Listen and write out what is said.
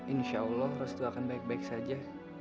insya allah rastu akan baik baik saja